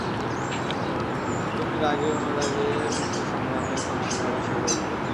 তুমি রাগে অনুরাগে মুক্তি সংগ্রামের সোনা ঝরা সেই রোদ্দুর!